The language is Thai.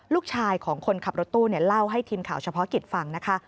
ลูกชายของคนขับรถตู้เล่าให้ทีมข่าวเฉพาะกิจฟังนะคะ